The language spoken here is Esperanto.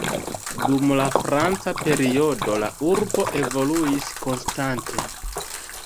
Dum la franca periodo la urbo evoluis konstante.